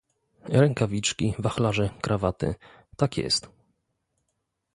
"Rękawiczki, wachlarze, krawaty... tak jest..."